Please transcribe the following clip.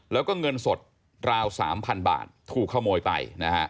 แล้วก็เงินสดราว๓พันบาทถูกขโมยไป